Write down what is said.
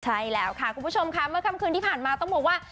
ใช่แล้วค่ะคุณผู้ชมค่ะเมื่อค่ำคืนที่ผ่านมาต้องบอกว่า